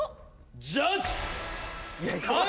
ジャッジ！